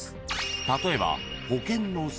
［例えば］